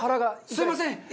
すみません。